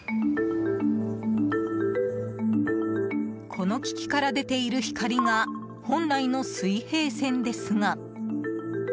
この機器から出ている光が本来の水平線ですが。